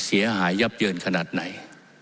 เสียหายยับเยินขนาดไหน